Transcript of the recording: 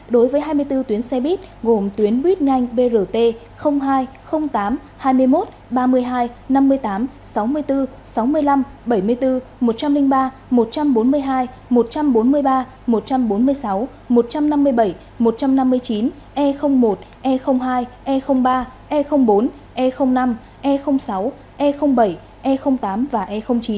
đối với hai mươi bốn tuyến xe buýt gồm tuyến buýt nhanh brt hai tám hai mươi một ba mươi hai năm mươi tám sáu mươi bốn sáu mươi năm bảy mươi bốn một trăm linh ba một trăm bốn mươi hai một trăm bốn mươi ba một trăm bốn mươi sáu một trăm năm mươi bảy một trăm năm mươi chín e một e hai e ba e bốn e năm e sáu e bảy e tám và e chín